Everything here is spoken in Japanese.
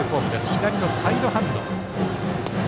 左のサイドハンド。